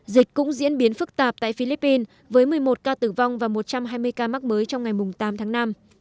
dịch cũng diễn biến phức tạp tại philippines với một mươi một ca tử vong và một trăm hai mươi ca mắc mới trong ngày tám tháng năm